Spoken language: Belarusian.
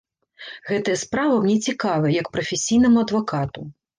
Гэтая справа мне цікавая, як прафесійнаму адвакату.